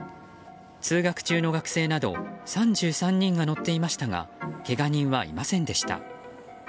通学中の学生など３３人が乗っていましたがけが人はいませんでした。